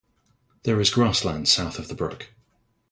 There is grassland south of the brook.